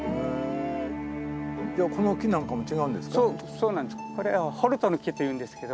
そうなんです。